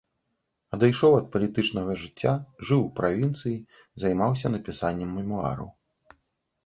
Адышоў ад палітычнага жыцця, жыў у правінцыі, займаўся напісаннем мемуараў.